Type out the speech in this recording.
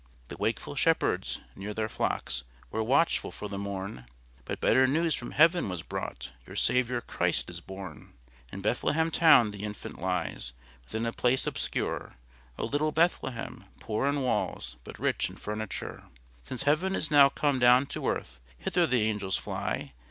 The wakeful shepherds, near their flocks, Were watchful for the morn; But better news from heaven was brought, Your Saviour Christ is born. In Bethlem town the infant lies, Within a place obscure, O little Bethlem, poor in walls, But rich in furniture! Since heaven is now come down to earth, Hither the angels fly!